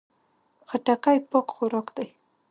خټکی پاک خوراک دی.